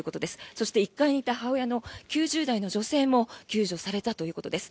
そして、１階にいた母親の９０代の女性も救助されたということです。